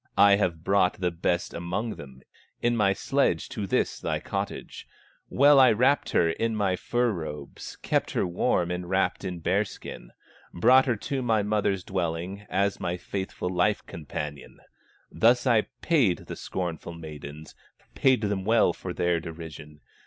I have brought the best among them In my sledge to this thy cottage; Well I wrapped her in my fur robes, Kept her warm enwrapped in bear skin, Brought her to my mother's dwelling, As my faithful life companion; Thus I paid the scornful maidens, Paid them well for their derision.